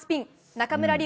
中村輪